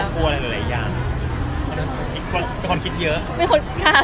แล้วมันก็แบบกลัวอะไรหลายอย่าง